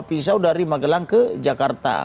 pisau dari magelang ke jakarta